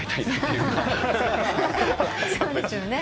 そうですよね。